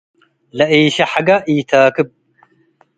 . ለኢሸሐገ ኢታክብ፣